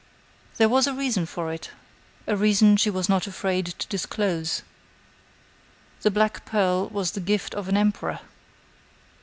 There was a reason for it; a reason she was not afraid to disclose: the black pearl was the gift of an emperor!